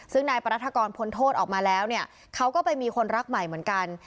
ซึ่งนายปรัฐกรพ้นโทษออกมาแล้วเนี่ยเขาก็ไปมีคนรักใหม่เหมือนกัน